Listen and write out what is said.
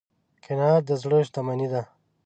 قناعت د زړه شتمني ده.